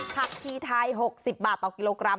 ผักชีไทย๖๐บาทต่อกิโลกรัม